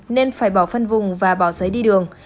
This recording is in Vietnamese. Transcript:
nên phải bỏ phân vùng và bỏ giấy đi đường